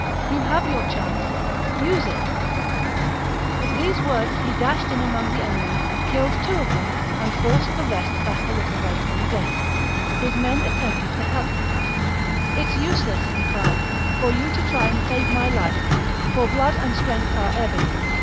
You have your chance : use it !" With these words he dashed in among the enemy, killed two of them, and forced the VII OF VERCINGETORIX 245 rest back a little way from the gate. His men 52 b.c. attempted to help him. " It's useless," he cried, " for you to try to save my life, for blood and strength are ebbing.